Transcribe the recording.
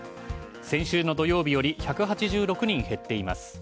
先週の土曜日より１８６人減っています。